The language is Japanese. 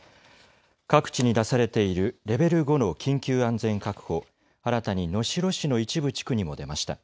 各地に出されているレベル５の緊急安全確保、新たに能代市の一部地区にも出ました。